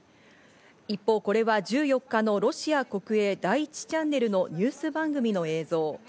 一方、これは１４日のロシア国営、第１チャンネルのニュース番組の映像。